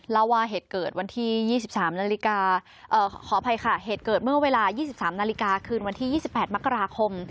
เล่าว่าเหตุเกิดวันที่๒๓นาฬิกาขออภัยค่ะเหตุเกิดเมื่อเวลา๒๓นาฬิกาคืนวันที่๒๘มกราคม